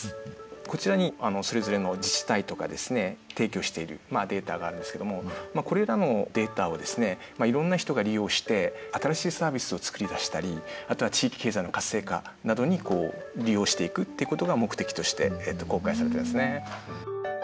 こちらにそれぞれの自治体とかですね提供しているデータがあるんですけどもこれらのデータをいろんな人が利用して新しいサービスを作り出したりあとは地域経済の活性化などに利用していくってことが目的として公開されているんですね。